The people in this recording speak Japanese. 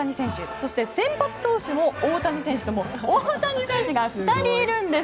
そして先発投手も大谷選手と大谷選手が２人いるんです。